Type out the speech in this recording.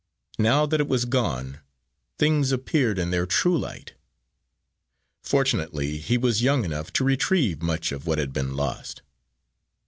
Now that it was gone, things appeared in their true light. Fortunately he was young enough to retrieve much of what had been lost.